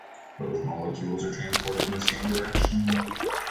Both molecules are transported in the same direction.